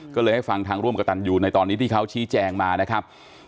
ก็เลยให้ฟังทางร่วมกับตันยูในตอนนี้ที่เขาชี้แจงมานะครับ